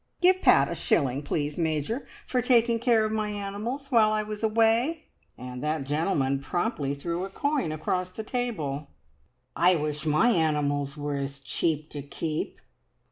"Give Pat a shilling, please, Major, for taking care of my animals while I was away." And that gentleman promptly threw a coin across the table. "I wish my animals were as cheap to keep!